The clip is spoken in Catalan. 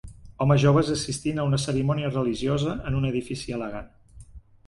Homes joves assistint a una cerimònia religiosa en un edifici elegant.